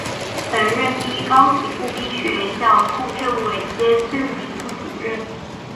曾任第一高级步兵学校副政委兼政治部主任。